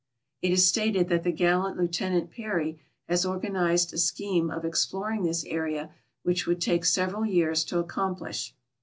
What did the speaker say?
It is stated that the gallant Lieutenant Peary has organized a scheme of exploring this area which would take several years to accomplish.